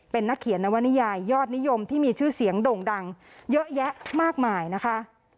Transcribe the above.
เป็นนักเขียนนวนิยายยอดนิยมที่มีชื่อเสียงโด่งดังเยอะแยะมากมายนะคะ